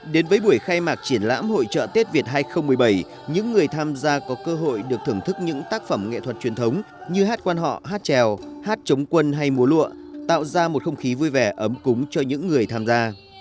đến với buổi khai mạc triển lãm hội trợ tết việt hai nghìn một mươi bảy những người tham gia có cơ hội được thưởng thức những tác phẩm nghệ thuật truyền thống như hát quan họ hát trèo hát chống quân hay múa lụa tạo ra một không khí vui vẻ ấm cúng cho những người tham gia